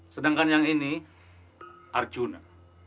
sedangkan yang ini arjuna